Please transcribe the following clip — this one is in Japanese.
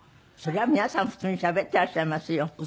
そりゃ皆さん普通にしゃべっていらっしゃいますよ。